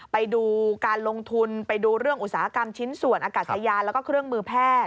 ไฟยานแล้วก็เครื่องมือแพทย์